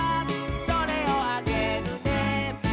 「それをあげるね」